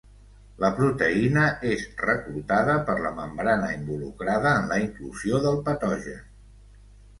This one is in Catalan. La proteïna és reclutada per la membrana involucrada en la inclusió del patogen.